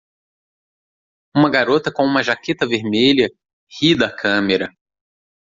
Uma garota com uma jaqueta vermelha ri da câmera.